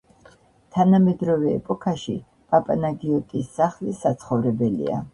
თანამედროვე ეპოქაში პაპანაგიოტის სახლი საცხოვრებელია.